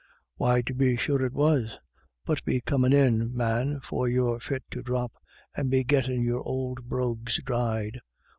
" Why, tubbe sure it was. But be comin' in, man, for you're fit to drop, and be gettin' your ould brogues dried.